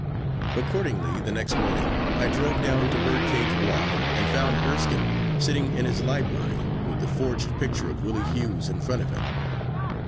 Accordingly, the next morning I drove down to Birdcage Walk, and found Erskine sitting in his library, with the forged picture of Willie Hughes in front of him.